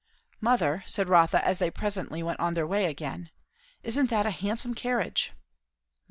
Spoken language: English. "Mother," said Rotha, as they presently went on their way again, "isn't that a handsome carriage?"